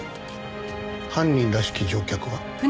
犯人らしき乗客は？